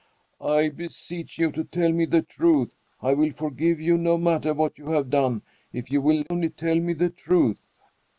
"I beseech you to tell me the truth. I will forgive you, no matter what you have done, if you will only tell me the truth!"